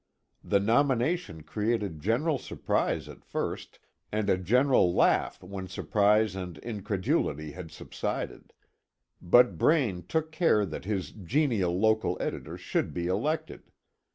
The nomination created general surprise at first, and a general laugh when surprise and incredulity had subsided; but Braine took care that his "genial" local editor should be elected.